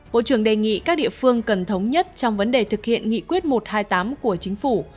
bộ trưởng đề nghị các địa phương cần thống nhất trong vấn đề thực hiện nghị quyết một trăm hai mươi tám của chính phủ